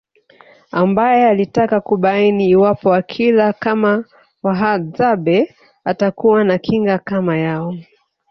Ambae alitaka kubaini iwapo akila kama Wahadzabe atakuwa na kinga kama yao